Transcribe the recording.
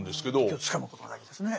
時をつかむことが大事ですね。